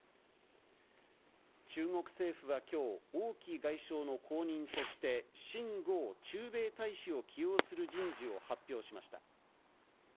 中国政府はきょう、王毅外相の後任として、秦剛駐米大使を起用する人事を発表しました。